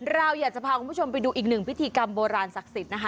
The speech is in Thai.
เราอยากจะพาคุณผู้ชมไปดูอีกหนึ่งพิธีกรรมโบราณศักดิ์สิทธิ์นะคะ